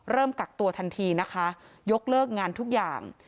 กักตัวทันทีนะคะยกเลิกงานทุกอย่าง